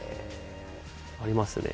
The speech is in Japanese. ありますね。